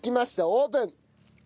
オープン！